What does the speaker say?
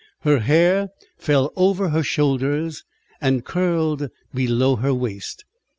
Her hair fell over her shoulders, and curled below her waist.